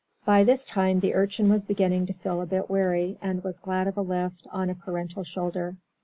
By this time the Urchin was beginning to feel a bit weary, and was glad of a lift on a parental shoulder.